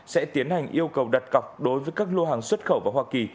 sẽ tiến hành yêu cầu đặt cọc đối với các lô hàng xuất khẩu vào hoa kỳ